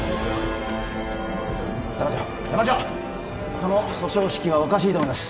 その訴訟指揮はおかしいと思います